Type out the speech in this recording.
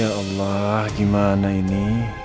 ya allah gimana ini